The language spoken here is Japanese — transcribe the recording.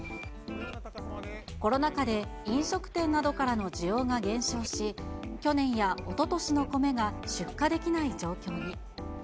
コロナ禍で飲食店などからの需要が減少し、去年やおととしの米が出荷できない状況に。